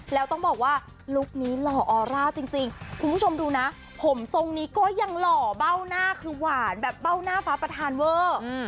แล้วต้องบอกว่าลุคนี้หล่อออร่าจริงคุณผู้ชมดูนะผมทรงนี้ก็ยังหล่อเบ้าหน้าคือหวานแบบเบ้าหน้าฟ้าประธานเวอร์